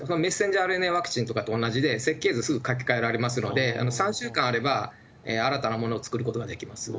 ｍＲＮＡワクチンと同じで、設計図すぐ書き換えられますので、３週間あれば、新たなものを作ることができます。